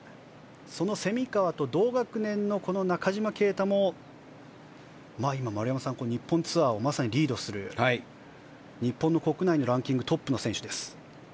その蝉川と同学年の中島啓太も今、丸山さん日本ツアーをまさにリードする日本の国内のランキングトップの選手です。